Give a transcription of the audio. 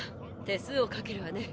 手数をかけるわね。